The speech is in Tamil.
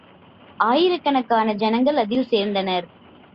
ஆயிரக்கணக்கான ஜனங்கள் அதில் சேர்ந்தனர்.